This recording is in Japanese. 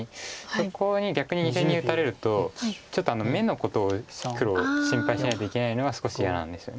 そこに逆に２線に打たれるとちょっと眼のことを黒心配しないといけないのが少し嫌なんですよね。